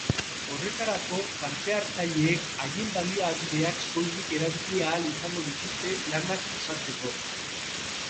Horretarako partehartzaileek haien baliabideak soilik erabili ahal izango dituzte lanak osatzeko.